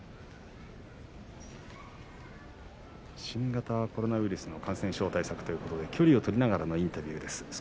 新型コロナウイルスの感染症対策ということで距離を取りながらのインタビューです。